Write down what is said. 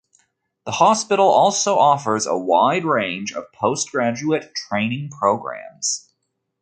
The hospital also offers a wide range of postgraduate training programs.